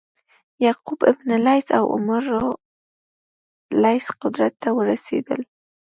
یعقوب بن لیث او عمرو لیث قدرت ته ورسېدل.